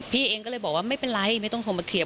เองก็เลยบอกว่าไม่เป็นไรไม่ต้องโทรมาเคลียร์